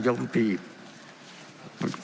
ธนาฬิกาศาลัยมภีร์